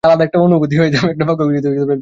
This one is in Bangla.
একটা বাক্য কিছুতেই মেলাতে পারছিনা।